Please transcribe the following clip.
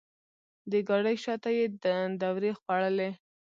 د ګاډۍ شاته یې دورې خوړلې.